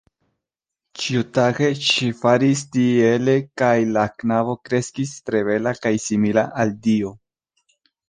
Ĉiutage ŝi faris tiele kaj la knabo kreskis tre bela kaj simila al dio.